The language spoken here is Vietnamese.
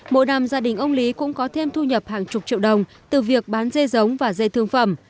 mỗi năm gia đình ông lý cũng có thêm thu nhập hàng chục triệu đồng từ việc bán dê giống và dê thương phẩm